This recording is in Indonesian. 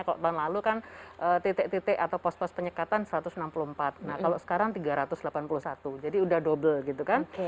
kalau tahun lalu kan titik titik atau pos pos penyekatan satu ratus enam puluh empat nah kalau sekarang tiga ratus delapan puluh satu jadi udah double gitu kan